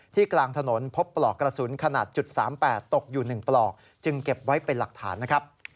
กลางถนนพบปลอกกระสุนขนาด๓๘ตกอยู่๑ปลอกจึงเก็บไว้เป็นหลักฐานนะครับ